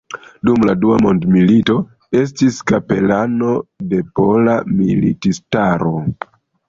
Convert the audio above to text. Dum la dua mondmilito estis kapelano de Pola Militistaro.